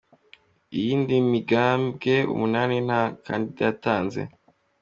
Iyindi migambwe umunani, nta mu kandida yatanze.